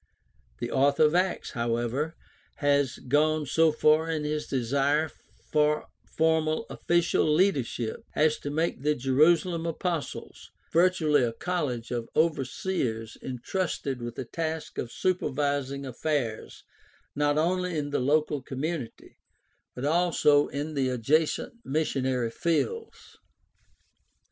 The author of Acts, however, has gone so far in his desire for formal official leadership as to make the Jerusalem apostles virtually a college of overseers in trusted with the task of supervising affairs not only in the local community, but also in all the adjacent missionary fields.